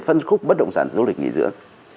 phân khúc bất động sản du lịch nghỉ dưỡng